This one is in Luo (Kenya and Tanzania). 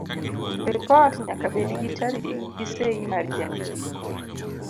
Ripot nyaka bed gi tarik gi sei mar jandiko.